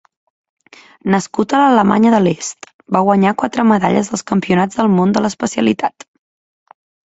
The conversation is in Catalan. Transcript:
Nascut a l'Alemanya de l'Est, va guanyar quatre medalles als Campionats del món de l'especialitat.